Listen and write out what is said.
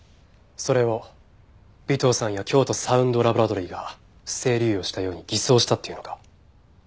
それを尾藤さんや京都サウンド・ラボラトリーが不正流用したように偽装したっていうのか？